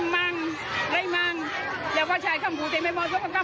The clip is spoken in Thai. ในเมืองแด็กตั้งแต่ประตู๑ประตู๒ประตู๓